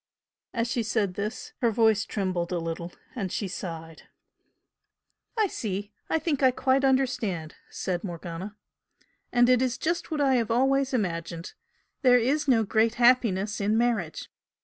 As she said this her voice trembled a little and she sighed. "I see! I think I quite understand!" said Morgana "And it is just what I have always imagined there is no great happiness in marriage.